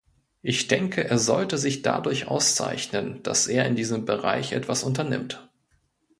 Ich denke, er sollte sich dadurch auszeichnen, dass er in diesem Bereich etwas unternimmt.